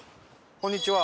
こんにちは。